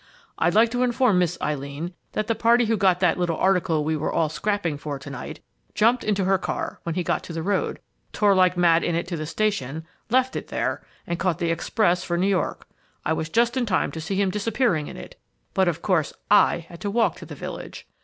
I'd like to inform Miss Eileen that the party who got that little article we were all scrapping for to night, jumped into her car when he got to the road, tore like mad in it to the station, left it there, and caught the express for New York. I was just in time to see him disappearing in it, but of course I had to walk to the village.